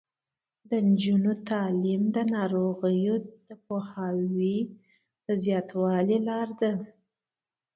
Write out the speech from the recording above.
د نجونو تعلیم د ناروغیو پوهاوي زیاتولو لاره ده.